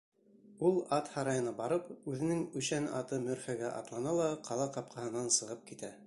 Ул, ат һарайына барып, үҙенең үшән аты Мөрфәгә атлана ла ҡала ҡапҡаһынан сығып китә.